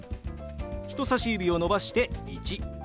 人さし指を伸ばして「１」。